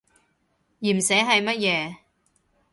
鹽蛇係乜嘢？